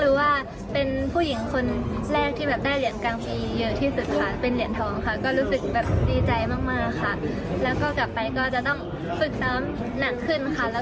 แล้วก็เรียนรู้กฎิกาใหม่ให้มากขึ้นค่ะ